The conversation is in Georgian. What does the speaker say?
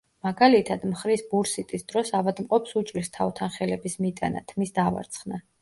მაგალითად, მხრის ბურსიტის დროს ავადმყოფს უჭირს თავთან ხელების მიტანა, თმის დავარცხნა.